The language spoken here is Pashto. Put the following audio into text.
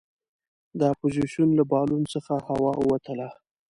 د اپوزیسون له بالون څخه هوا ووتله.